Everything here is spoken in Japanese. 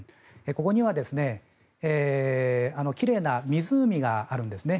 ここには奇麗な湖があるんですね。